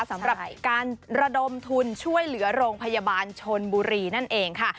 สำหรับการระดมทุนช่วยเหลือโรงพยาบาลชนบุรีนั่นเองค่ะ